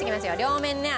両面ね